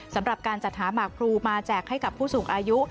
สำหรับการจัดหาหมากพลูมาแจกให้กับผู้สูงอายุ